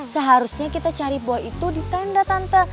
seharusnya kita cari buah itu di tenda tenda